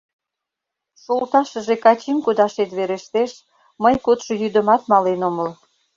Шолташыже Качим кодашет верештеш; мый кодшо йӱдымат мален омыл.